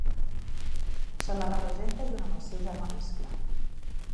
Se la representa junt amb el seu germà Iscle.